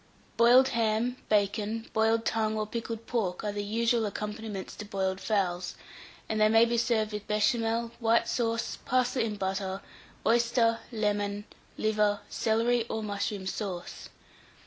Boiled ham, bacon, boiled tongue, or pickled pork, are the usual accompaniments to boiled fowls, and they may be served with Béchamel, white sauce, parsley and butter, oyster, lemon, liver, celery, or mushroom sauce.